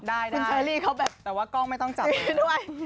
แต่ว่ากล้องไม่ต้องจับเลย